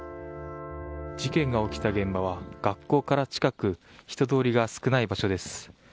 事件が起きた現場は学校から近く人通りが少ない場所です。